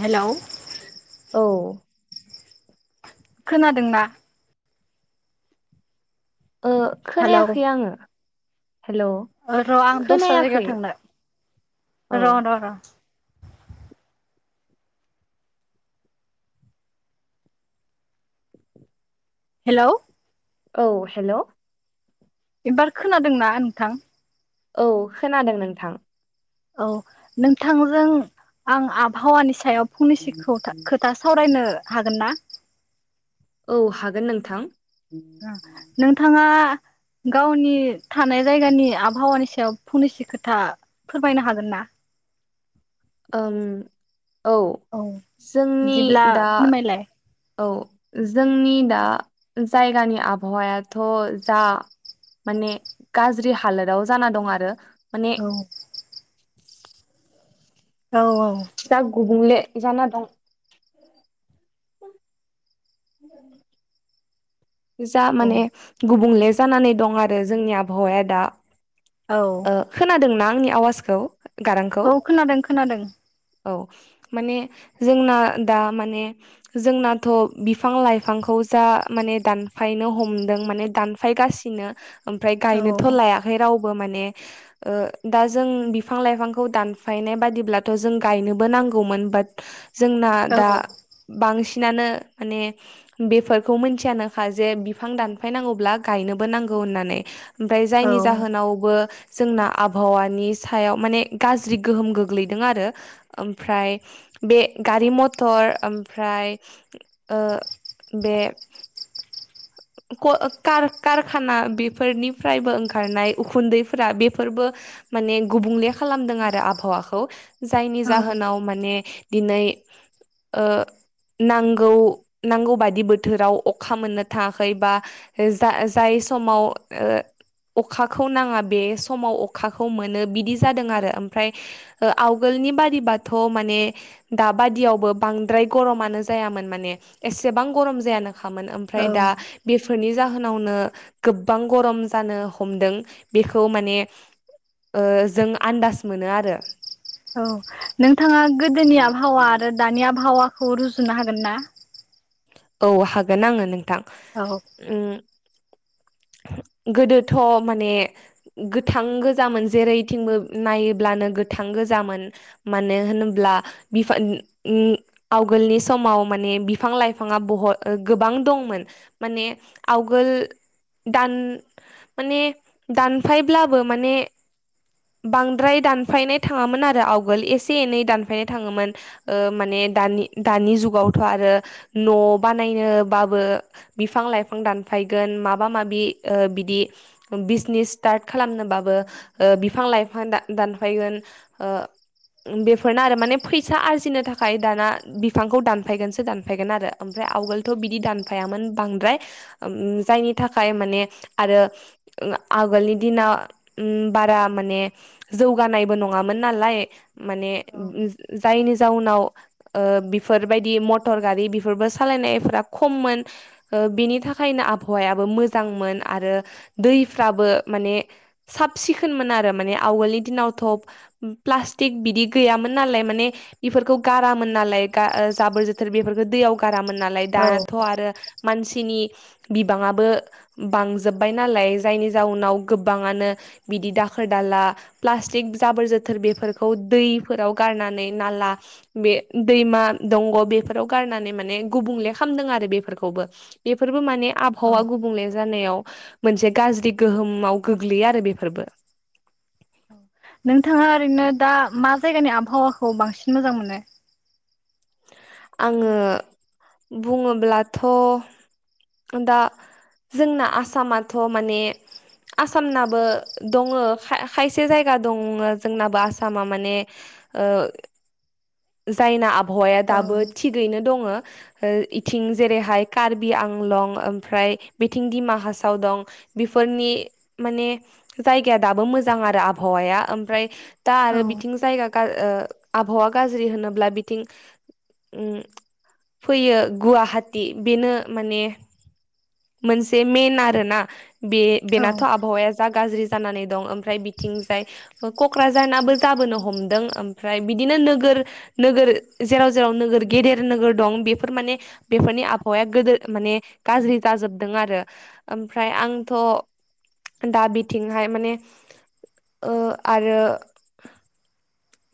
Hello औ खोनादोंना? ओ हेलौ खोनायाखै आङो। हेल' र' आं दस्रा खोनायाखै जायगायाव थांनो औ र' र' र' हेलौ औ हेलौ एबार खोनादों ना नोंथां? औ खोनादों नोंथां। औ नोंथांजों आं आबहावानि सायाव फंनैसो खौथा खोथा सावरायनो हागोन ना? औ हागोन नोंथां। नोंथाङा? गावनि थानाय जायगानि आबहावानि सायाव फंनैसो खोथा फोरमायनो हागोन ना? [inaudible] ओं! औ जोंनि बिदिब्ला दा फोरमायलाय औ जों आंनि दा जायगानि आबहावायाथ जा माने गाज्रि हालोदाव जाना दं आरो माने औ। औ औ जा गुबुंले जाना दं। जा माने औ गुबुंले जानानै दं आरो जोंनि आबहावाया दा। औ ओ खोनादोंना आंनि आवाजखौ? गारांखौ औ खोनादों खोनादों। औ माने जोंना दा माने जोंनाथ बिफां लाइफांखौ जा माने दानफायनो हमदों माने दानफायगासिनो ओमफ्राय औ गायनोथ लायाखै रावबो माने ओ दा जों बिफां लाइफांखौ दानफायनाय बादिब्लाथ जों गायनोबो नांगौमोन। बाट जोंना औ दा बांसि नानो माने बेफोरखौ मिथियानोखा जे बिफां दानफायनांगौब्ला गायनोबो नांगौ। होननानै ओमफ्राय औ जायनि जाहोनावबो जोंना आबहावानि सायाव माने गाज्रि गोहोम गोग्लैदों आरो ओमफ्राय बे गारि मथर ओमफ्राय ओ बे ख कार कारखाना बेफोरनिफ्रायबो ओंखारनाय उखुन्दैफ्रा बेफोरबो माने गुबुंले खालामदों आरो आबहावाखौ जायनि औ जाहोनाव माने---! दिनै ओ नांगौ नांगौ बायदि बोथोराव अखा मोननो था खै बा जा जाय समाव ओ अखाखौ नाङा बे समाव अखाखौ मोनो बिदि जादों आरो ओमफ्राय ओ आवगोल----! नि बादिबाथ माने दाबादियावबो बांद्राय गरमानो जायामोन माने बां गरम जायानोखामोन ओमफ्राय दा औ बेनि जाहोनावनो गोबां गरम जानो हमदों बेखौ माने ओ जों आन्दाज मोनो आरो। औ नोंथाङा गोदोनि आबहावा आरो दानि आबहावा खौ रुजुनो हागोन ना? औ हागोन आङो नोंथां औ ओ। [inaudible] गोदोथ माने गोथां गोजामोन जेरैथिंबो नायोब्लानो गोथां गोजामोन मानो होनोब्ला बिफांनि ओ आवगोलनि समाव ! माने बिफां लाइफाङा बहथ आरो गोबां दंमोन। माने आवगोल आव। दान माने दानफायब्लाबो माने। बांद्राय दानफायनाय थाङामोन आरो आवगोल एसे एनै दानफायनाय थाङोमोन ओ माने बे दानि दानि जुगावथ आरो न बानायनोबाबो बिफां लाइफां दानफायगोन माबा माबि बिदि बिजनेस स्टार्ट खालामनोबाबो बिफां लाइफां दानफैगोन बेफोरनो आरो माने फैसा आरजिनो थाखाय दाना बिफांखौ दानफायगोनसो दागोन। फ्राय आवगोलथ' बिदि दानफायोन बांद्राय जायनि थाखाय मान आरो आगोलनि दिना बारा माने जौगानायबो नङामोन न! मान जायनि जाउनाव बेफोरबायदि मटर गारि बेफोरबो सालायनायफोरा खममोन बेनि थाखायनो आबहावायाबो मोजांमोन। आरो दैफ्राबो माने साब सिखोनमोन आरो माने आवगोलनि दिनावथ' प्लास्टिक बिदि गैयामोन नालाय माने बेफोरखौ गारामोन नालाय जाबोर जोब बेफोरखौ दैयाव गारामोन नालाय औ दानाथ' आरो। मानसिनि बिबाङाबो बांजोब्बाय नालाय जायनि जाउनाव गोबाङानो बिदि दाखोर दाला प्लासटिक जाबोर जोथोर बेफोरखौ दैाव गारनानै ना दैमा दं बेफोराव गारनानै माने गुबुंले खालामदों आरो बेफोरखौबो बेफोरबो माने औ आबहावा गुबुंले जानायाव मोनसे गाज्रि गोहोमाव गोग्लैयो आरो बेफोरबो नोंथाङा ओरैनो दा मा जायगानि आबहावाखौ बांसिन मोजां मोनो आङो बुङोब्लाथ' दा जोंना आसामाथ' माने आसामनाबो दङ खायसे जायगा दङ जोंनाबो आसामा माने जायना आबहावाया औ दाबो थिगैनो दङ इथिं जेरैहाय कार्बि आंलं ओमफ्राय बेथिं दिमा हासाव दं बेफोरनि माने जायगाया दाबो मोजां आरो आबहावाया ओमफ्राय दा औ आरो बिथिं जायगा आबहावा गाज्रि होनोब्ला बिथिं फैयो गुवाहाटि बेनो माने मोनसे मेन आरोना बे औ बेनाथ' आबहावाया जा गाज्रि जानानै दं मफ्राय बिथिंजाय क'क्राझाराबो जाबोनो हमदों ओमफ्राय बिदिनो नो नोगोर जेराव जेराव नोगोर गेदेर नोगोर दं बेफोर माने बेफोरनि आबहावाया गोेदेर माने गाज्रि जाजोबदों आरो ओमफ्राय आंथ' दा बिथिंहाय माने आरो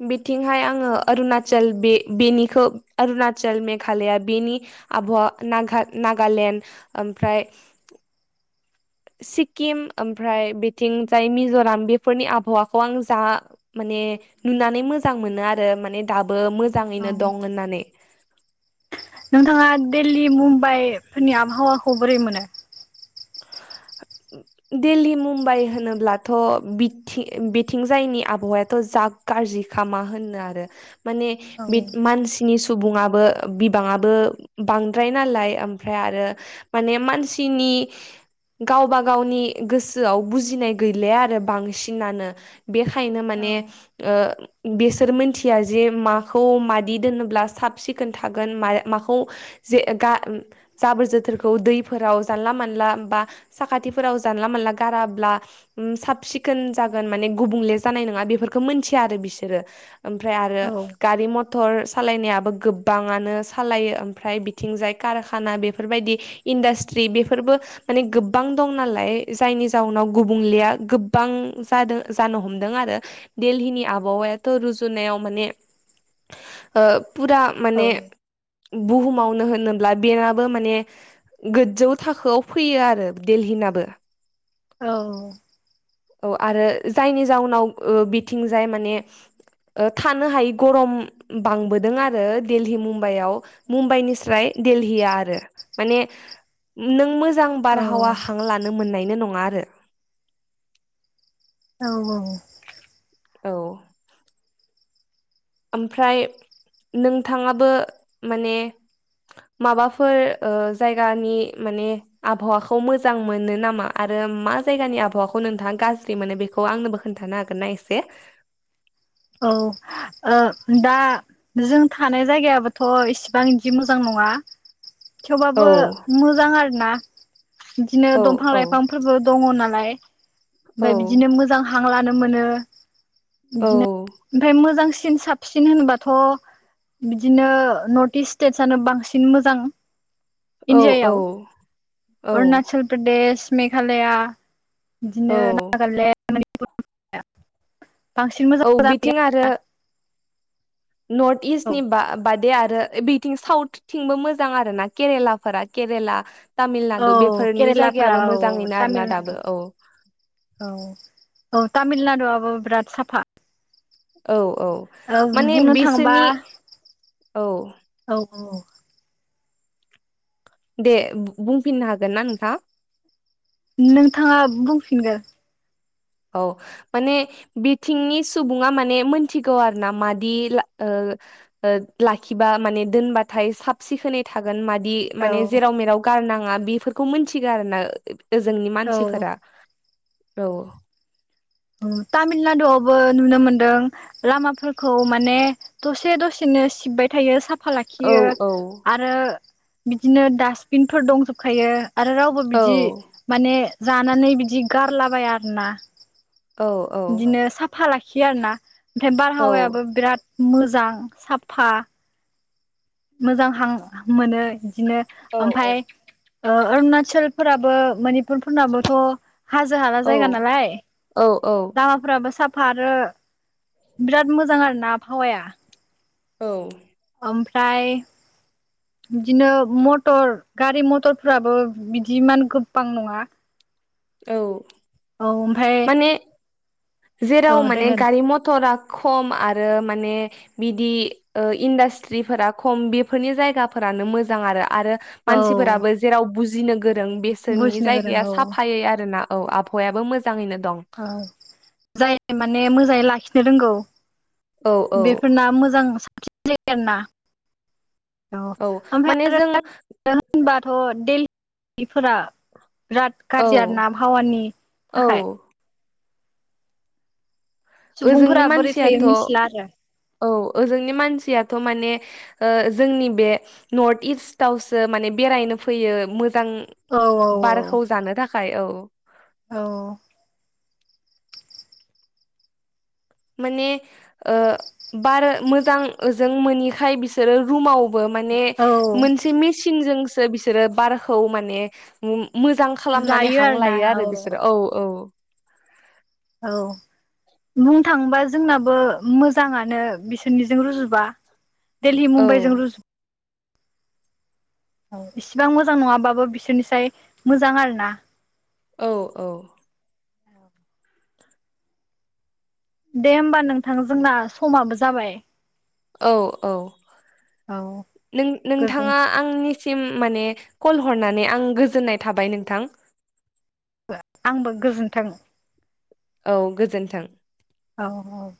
बिथिंहाय आङो अरुणाचल बे बेनिखौ अरुणाचल मेघालया बेनि आब'आ नाग नागालेण्ड ओमफ्राय [inaudible] सिक्किम ओमफ्राय बिथिंजाय मिज'राम बेफोरनि आबहावाखौ आं जा माने नुनानै मोजां मोनो आरो माने दाबो औ मोजाङैनो दं होननानै नोंथाङा दिल्ली मुम्बाइ फोरनि आबहावाखौ बोरै मोनो दिल्ली मुम्बाइ होनोब्लाथ' बि बिथिंजायनि आबहावायाथ' ज गाजिखा मा होननो आरो औ माने सुबुङाबो बिबाङाब़ बांद्राय नालाय ओमफ्राय आरो माने मानसिनि बे गावबा गावनि गोसोआव बुजिनाय गैले आरो बांसिनानो बेखायनो औ माने बिसोर मिथिया जे माखौ मादि दोनोब्ला साब सिखोन थागोन माखौ जाबोर जोथोरखौ दैफोराव जानला मानला बा साखाथिफोराव जानला मोनानला गाराब्ला साब सिखोन जागोन माने गुबुंले जानाय नङा बेफोरखौ मोनथि बिसोरो ओमफ्राय आरो औ गारि मटर सालायनायाबो गोबाङानो सालायो ओमफ्राय बिथिंजाय कारखाना बेफोरबायदि इन्डास्ट्रि बेफोरबो माने गो गोबां दं नालाय जायनि जाउनाव गुबुंलेया गोबां जादों जानो हमदों आरो दिलीनि आबहावायाथ' रुजुनायाव माने फुरा औ माने बुहुमावनो होनोब्ला बेनाबो माने गोजौ थाखोआव फैयो आरो। देलहिनाबो औ। औ आरो जायनि जाउनाव ओ बिथिंजाय माने ओ थानो हायि गरम बांबोदों आरो देलहि मुम्बाइआव मुम्बाइनिस्राय देलहिआ आरो मानो नों मोज जां बारहावा हां लानो मोन्नायनो नङा आरो औ औ औ औ ओमफ्राय नोंथाङाबो माने माबाफोर ओ जायगानि माने आभावाखौ मोजां मोनो नामा आरो मा जायगानि आबहावाखौ नोंथाङा गाज्रि मोनो बेखौ आंनोबो खोन्थानो हागोनना एसे औ ओ दा जों थानाय जायगायाबोथ' इसिबां इदि मोजां नङा औ थेवबाबो मोजां आरो ना बिदिनो औ दंफां औ लाइफांफोरबो दङ' ना लाय औ ओमफाय बिदिनो मोजां हां लानो मोनो औ बिदिनो ओमफाय मोजांसिन साबसिन होनबाथ' बिदिनो नर्थ इस्ट स्टेटसनो बांसिन मोजां इणडियायाव औ औ अरणाचल प्रदेश मेघालया बिदिनो औ नागालेण्ड [unintelligible] बांसिन मोजां औ बिथिं आरो नर्थ इस्टनि औ बा -बाद दे आरो बैथिं साउथथिंबो मोजां आरो ना केरेलाफोरा केरेला तामिल औ नाडु बेफोरनि केरेलाफोरा जायगायाबो औ औ मोजाङैनो आरो ना तामिलनाडु दाबो औ औ औ तामिलनाडुआबो बिराद साफा औ औ औ माने बुंनो थाङोबा बिसोरनि औ औ दे बुंफिननो हागोन ना नोंथां नोंथाङा बुंफिनगोर औ माने बिथिंनि सुबुङा माने मोनथिगौ आरो ना मादि ला ओ ओ लाखिबा माने दोनबाथाय साब सिखोनै थागोन मा दि माने औ जेराव मेराव गारनाङा बेफोरखौ मोनथिगो आरो ना ओजोंनि औ मानसिफोरा औ ओ तामिलनाडुआवबो नुनो मोनदों लामाफोरखौ माने दसे दसेनो नो सिबबाय थायो सा फा औ लाखियो औ आरो बिदिनो डास्टबिनफोर दंजोबखायो आरो रावबो औ बिदि माने जानानै बिदि गारलाबाया आरोना औ औ बिदिनो साफा लाखियो आरो ना ओमफ्राय बारहावायाबो बिराद मोजां साफा मोजां हां मोनो बिदिनो औ ओमफाय ओ ओरणाचलफोराबो माने पुरफोरनाबोथ' हाजो हाला जायगा नालाय औ लामाफोराबो साफ फारो बिराद मोजां आरो ना आबहावाया औ ओमफ्राय बिदिनो मटर गारि मटरफ्राबो बिदिमान गोबां नङा औ औ ओमफाय माने जेराव माने गारि मथरा खम आरो ओ माने बिदि ओ इन्डास्ट्रिफोरा खम बेफोरनि जायगाफोरानो मोजां आरो आरो औ मानसिफोराबो जेराव बुजिनो गोरों बेसोरनि बुजिनो गोरों जायगाया औ साफायै आरोना औ आबहावायाबो मोजाङैनो दं औ जाय माने मोजाङै लाखिनो रोंगौ औ औ बेफोरना मोजां [unintelligible] आरोना औ ओमफ्राय माने आरो जों [unintelligible] होनबाथ' देल [unintelligible] फोरा बिराद औ गाज्रि ना आबहावानि औ थाखाय ओजोंनि सुबुंफोरा बोरै थायो मानसियाथ' मिथिला आरो औ ओजोंनि मानसियाथ' माने ओ-जोंनि बे नर्थ इस्टवसो माने बेरायनो फैयो मोजां औ औ बारखौ जानो थाखाय औ। औ माने ओ-बार मोजांजों मोनैखाय बिसोरो रुमाव बो माने औ मोनसे मिसिनजों बिसोरो बारखौ माने ओम- मोजां खालामनानै जायो हां आरोना लायो औ आरो बिसोरो औ औ। औ बुंनो थाङोबा जोंनाबो मोजाङानो बिसोरनिजों रुजुबा। दिल्ली औ मुम्बाइजों रुजु औ इसिबां मोजां नङाबाबो बिसोरनिसाय मोजां आरो ना। औ औ दे होमबा नोंथां जोंना समाबो जाबाय। औ औ औ नों गोजोन -नोंथाङा आंनि सिम माने कल हरनानै आं गोजोननाय थाबाय नोंथां। आंबो गोजोन्थों। औ गोजोन्थों औ औ।